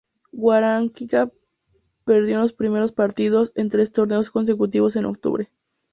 Wawrinka perdió en los primeros partidos en tres torneos consecutivos en Octubre.